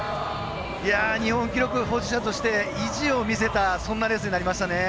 日本記録保持者として意地を見せたそんなレースになりましたね。